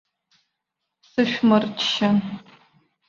Сышәмырччан!